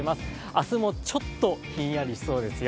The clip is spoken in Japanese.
明日もちょっと、ひんやりしそうですよ。